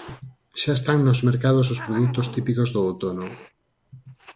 Xa están nos mercados os produtos típicos do outono.